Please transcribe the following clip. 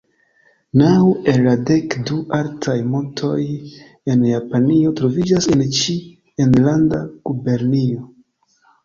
Naŭ el la dek du altaj montoj en Japanio troviĝas en ĉi enlanda gubernio.